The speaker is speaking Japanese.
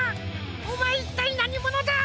おまえいったいなにものだ！？